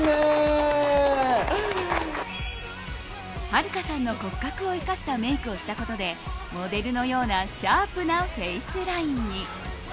はるかさんの骨格を生かしたメイクをしたことでモデルのようなシャープなフェイスラインに。